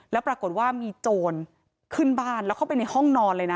แล้วปรากฏว่ามีโจรขึ้นบ้านแล้วเข้าไปในห้องนอนเลยนะ